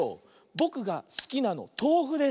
「ぼくがすきなのとうふです」